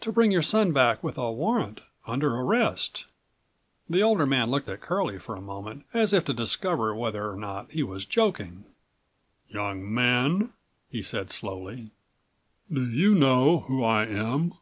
"To bring your son back with a warrant, under arrest."109 The older man looked at Curlie for a moment as if to discover whether or not he was joking. "Young man," he said slowly, "do you know who I am?"